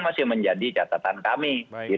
masih menjadi catatan kami